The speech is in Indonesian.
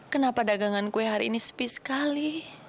kenapa dagangan kue hari ini sepi sekali